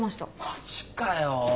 マジかよ。